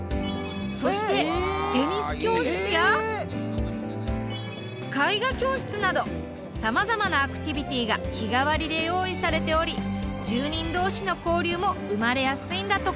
そしてテニス教室や絵画教室などさまざまなアクティビティーが日替わりで用意されており住人同士の交流も生まれやすいんだとか。